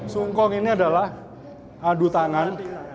sungkong ini adalah adu tangan